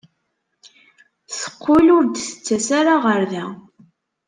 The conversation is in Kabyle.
Teqqel ur d-tettas ara ɣer da.